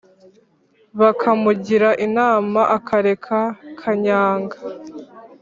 bakamugira inama akareka kanyanga.